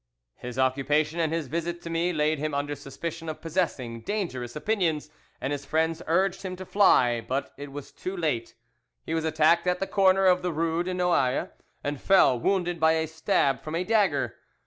His occupation and his visit to me laid him under suspicion of possessing dangerous opinions, and his friends urged him to fly; but it was too late. He was attacked at the corner of the rue de Noailles, and fell wounded by a stab from a dagger.